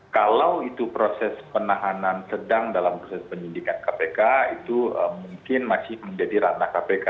kalau itu proses penahanan sedang dalam proses penyidikan kpk itu mungkin masih menjadi ranah kpk